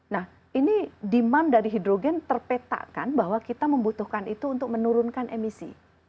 nah ini demand dari hidrogen terpetakan bahwa kita membutuhkan itu untuk menurunkan emisi